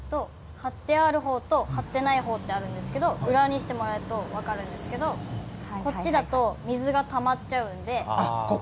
張ってあるほうと張ってないほうってあるんですけど、裏にしてもらうと分かるんですけれども、こっちだと水がたまっちゃうんで。